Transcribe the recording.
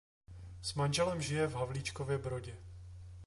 S manželem žije v Havlíčkově Brodě.